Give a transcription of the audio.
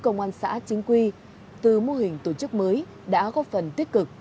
công an cấp tỉnh và bố trí công an xã chính quy từ mô hình tổ chức mới đã góp phần tích cực